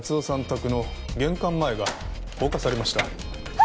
宅の玄関前が放火されました。